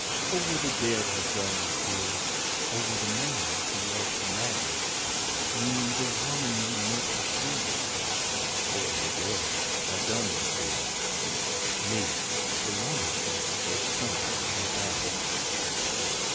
Over the dead have done with tears! Over the man who loved to madness Me the woman you met with sneers, Over the dead have done with tears! Me the woman so sunk in badness.